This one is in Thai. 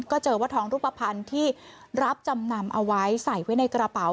ก็เจอว่าทองรูปภัณฑ์ที่รับจำนำเอาไว้ใส่ไว้ในกระเป๋า